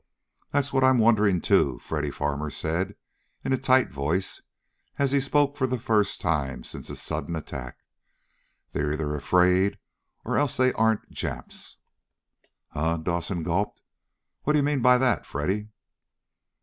"That's what I'm wondering, too," Freddy Farmer said in a tight voice as he spoke for the first time since the sudden attack. "They're either afraid, or else they aren't Japs!" "Huh?" Dawson gulped. "What do you mean by that, Freddy?"